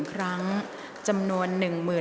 ออกรางวัลเลขหน้า๓ตัวครั้งที่๒